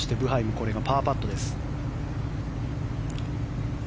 そしてブハイもこれがパーパットです。